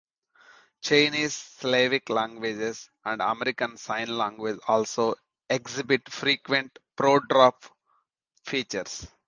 Chinese, Slavic languages, and American Sign Language also exhibit frequent pro-drop features.